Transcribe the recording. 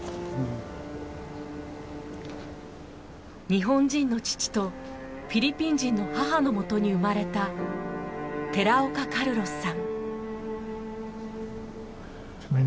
日本人の父とフィリピン人の母のもとに生まれた寺岡カルロスさん。